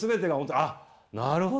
あなるほど。